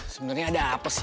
sebenernya ada apa sih